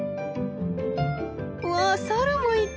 うわっサルもいた！